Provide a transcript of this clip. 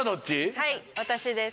はい私です。